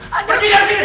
pergi dari sini